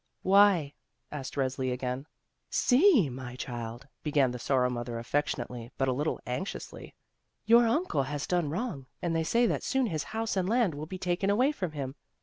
"Why?" asked Resli again. "See, my chUd," began the Sorrow mother af fectionately, but a little anxiously, "your uncle has done wrong, and they say that soon his house and land will be taken away from him.